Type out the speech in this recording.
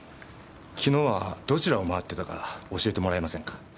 昨日はどちらを回ってたか教えてもらえませんか？